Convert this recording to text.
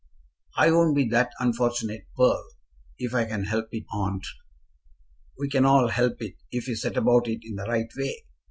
"I won't be that unfortunate pearl, if I can help it, aunt." "We can all help it, if we set about it in the right way.